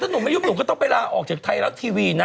หนุ่มก็ต้องไปลาออกจากไทยแล้วทีวี